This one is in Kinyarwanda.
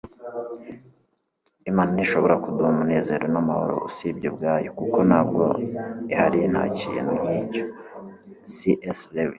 imana ntishobora kuduha umunezero n'amahoro usibye ubwayo, kuko ntabwo ihari nta kintu nk'icyo - c s lewis